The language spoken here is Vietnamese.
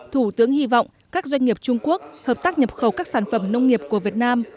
thủ tướng hy vọng các doanh nghiệp trung quốc hợp tác nhập khẩu các sản phẩm nông nghiệp của việt nam